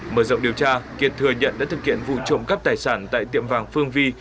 mở rộng điều tra kiệt thừa nhận đã thực hiện vụ trộm cắp tài sản tại tiệm vàng phương vi